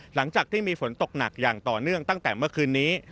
หลังจากที่มีฝนตกหนักอย่างต่อเนื่องตั้งแต่เมื่อคืนนี้